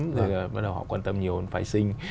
rồi bắt đầu họ quan tâm nhiều hơn vệ sinh